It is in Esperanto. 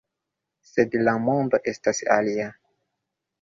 Sed la mondo estas alia.